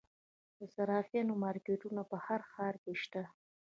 د صرافانو مارکیټونه په هر ښار کې شته